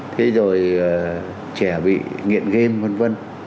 thế rồi trẻ bị nghiện game v v